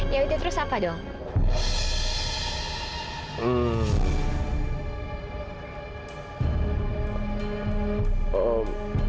ya udah terus apa dong